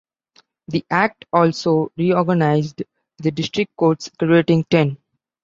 The Act also reorganized the district courts, creating ten.